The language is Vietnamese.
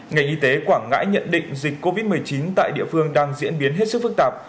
ngành y tế quảng ngãi nhận định dịch covid một mươi chín tại địa phương đang diễn biến hết sức phức tạp